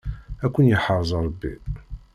Ad ken-yeḥrez Ṛebbi.